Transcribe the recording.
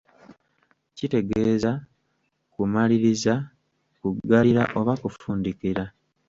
Kitegeeza; kumaliriza, kuggalira oba kufundikira.